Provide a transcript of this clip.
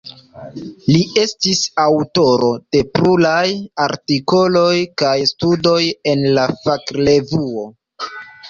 Li estis aŭtoro de pluraj artikoloj kaj studoj en la fakrevuoj.